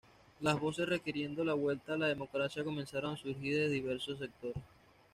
Las voces requiriendo la vuelta a la democracia comenzaron a surgir desde diversos sectores.